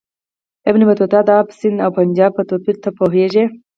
ابن بطوطه د آب سند او پنجاب په توپیر نه پوهیږي.